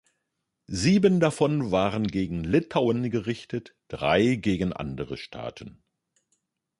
Sieben davon waren gegen Litauen gerichtet, drei gegen andere Staaten.